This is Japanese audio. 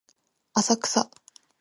浅草